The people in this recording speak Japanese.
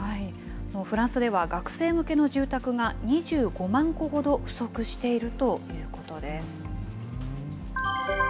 フランスでは学生向けの住宅が２５万戸ほど不足しているということです。